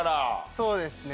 そうですね。